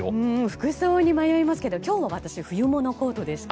服装に迷いますけど今日、私は冬物コートでした。